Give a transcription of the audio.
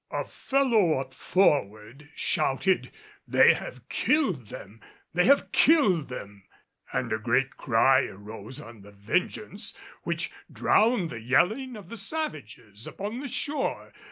A fellow up forward shouted, "They have killed them! They have killed them!" and a great cry arose on the Vengeance which drowned the yelling of the savages upon the shore.